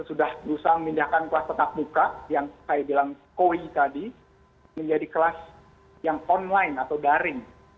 sudah berusaha memindahkan kelas tetap muka yang saya bilang koi tadi menjadi kelas yang online atau daring